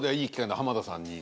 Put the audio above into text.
浜田さん